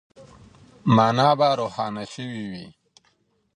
مانا به روښانه سوې وي.